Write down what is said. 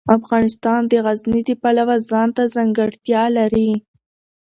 افغانستان د غزني د پلوه ځانته ځانګړتیا لري.